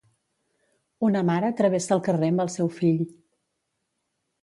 Una mare travessa el carrer amb el seu fill.